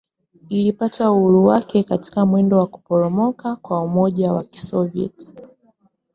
Ilipata uhuru wake katika mwendo wa kuporomoka kwa Umoja wa Kisovyeti.